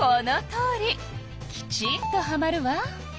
きちんとはまるわ。